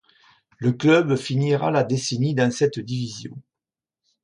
Le club finira la décennie dans cette division.